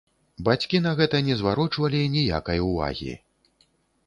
Бацькі на гэта не зварочвалі ніякай увагі.